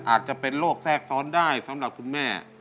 อาจจะเป็นโรคแทรกซ้อนได้สำหรับคุณแม่